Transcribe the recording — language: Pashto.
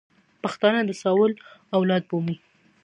پښتانه د ساول اولاد بولي.